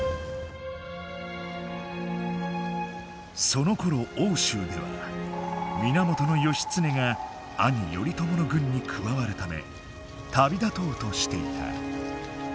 そのころ奥州では源義経が兄頼朝の軍に加わるため旅立とうとしていた。